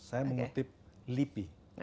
saya mengutip lipi